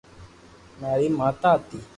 ماري ماتا ھتي